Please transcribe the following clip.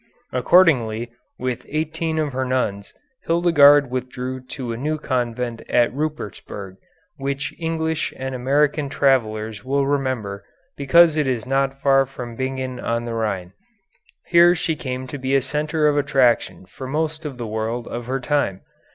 Accordingly, with eighteen of her nuns, Hildegarde withdrew to a new convent at Rupertsberg, which English and American travellers will remember because it is not far from Bingen on the Rhine. Here she came to be a centre of attraction for most of the world of her time.